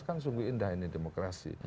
kan sungguh indah ini demokrasi